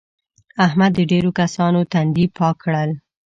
احمد د ډېرو کسانو تندي پاک کړل.